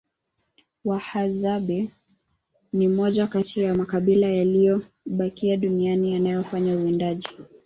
wahadzabe ni moja Kati ya makabila yaliyobakia duniani yanayofanya uwindaji